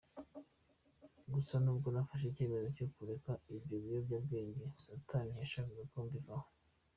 Gusa nubwo nafashe icyemezo cyo kureka ibyo biyobyabwenge Satani ntiyashakaga ko mbivaho.